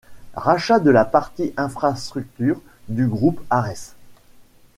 Rachat de la partie Infrastructure du Groupe Ares.